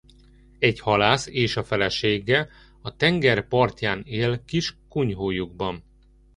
Egy halász és a felesége a tenger partján él kis kunyhójukban.